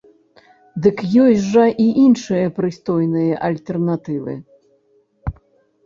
Дык ёсць жа і іншыя прыстойныя альтэрнатывы!